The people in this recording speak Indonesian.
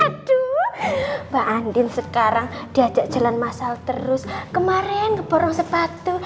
aduh mbak andin sekarang diajak jalan mas al terus kemarin ngeborong sepatu